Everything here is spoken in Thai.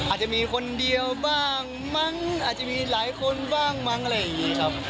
อาจจะมีคนเดียวบ้างมั้งอาจจะมีหลายคนบ้างมั้งอะไรอย่างนี้ครับ